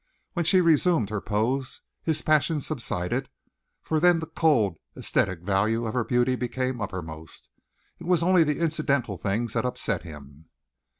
When she resumed her pose, his passion subsided, for then the cold, æsthetic value of her beauty became uppermost. It was only the incidental things that upset him.